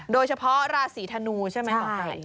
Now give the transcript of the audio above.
โดยเฉพาะราศีธนูใช่ไหมหมอไก่